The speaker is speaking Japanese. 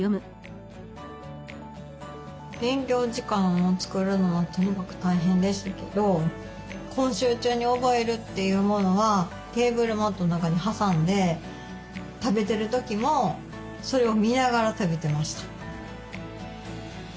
勉強時間を作るのはとにかく大変でしたけど今週中に覚えるというものはテーブルマットの中に挟んで食べてる時もそれを見ながら食べてました。